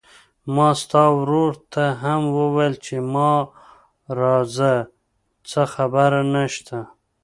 ما ستا ورور ته هم وويل چې ما راځه، څه خبره نشته.